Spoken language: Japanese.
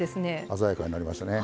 鮮やかになりましたね。